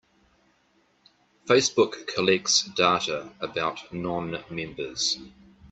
Facebook collects data about non-members.